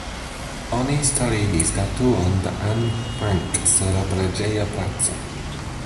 Oni starigis statuon de Anne Frank sur la preĝeja placo.